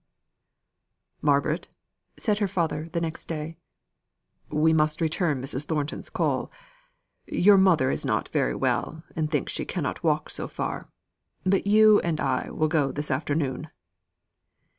"Margaret," said her father, the next day, "we must return Mrs. Thornton's call. Your mother is not very well, and thinks she cannot walk so far; but you and I will go this afternoon."